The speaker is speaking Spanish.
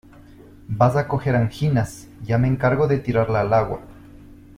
vas a coger anginas, ya me encargo de tirarla al agua.